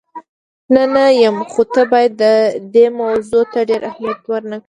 نه، نه یم، خو ته باید دې موضوع ته ډېر اهمیت ور نه کړې.